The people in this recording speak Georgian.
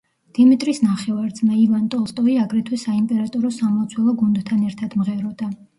დიმიტრის ნახევარძმა, ივან ტოლსტოი აგრეთვე საიმპერატორო სამლოცველო გუნდთან ერთად მღეროდა.